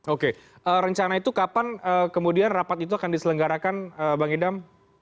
oke rencana itu kapan kemudian rapat itu akan diselenggarakan bang idam